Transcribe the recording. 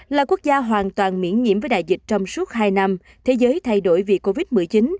là quốc gia hoàn toàn miễn nhiễm với đại dịch trong suốt hai năm thế giới thay đổi vì covid một mươi chín